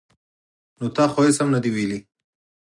ـ نو تا خو هېڅ هم نه دي ویلي.